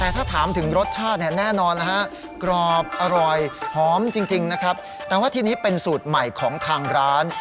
แต่ถ้าถามถึงรสชาติเนี่ยแน่นอนนะฮะกรอบอร่อยหอมจริงนะครับแต่ว่าทีนี้เป็นสูตรใหม่ของทางร้าน